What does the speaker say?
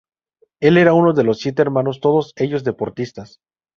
Él era uno de los siete hermanos todos ellos deportistas.